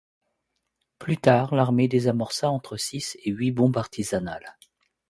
Plus tard, l'Armée désamorça entre six et huit bombes artisanales.